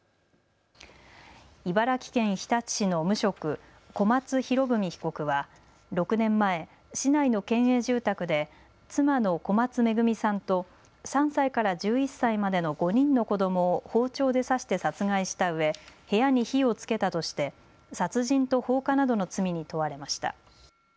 茨城県日立市の無職、小松博文被告は６年前、市内の県営住宅で妻の小松恵さんと３歳から１１歳までの５人の子どもを包丁で刺して殺害したうえ部屋に火をつけたとして殺人と放火などの罪に問われました。